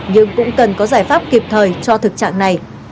nhưng cũng cần có giải pháp kịp thời cho thực trạng này